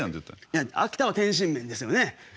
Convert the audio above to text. いや秋田は天津麺ですよね。